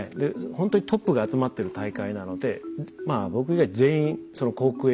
ほんとにトップが集まってる大会なので僕以外全員航空エリート。